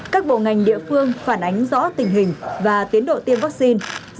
các bộ ngành địa phương phản ánh rõ tình hình và tiến độ tiêm vaccine